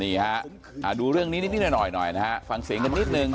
นี่ฮะดูเรื่องนี้นิดหน่อยฟังเสียงกันนิดหนึ่ง